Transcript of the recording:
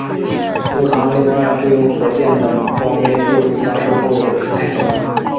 坐舱另外会有火箭等装备作出发射后的姿态调整。